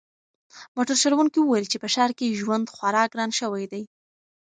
موټر چلونکي وویل چې په ښار کې ژوند خورا ګران شوی دی.